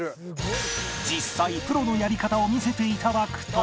実際プロのやり方を見せていただくと